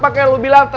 udah lama ga yakin gitu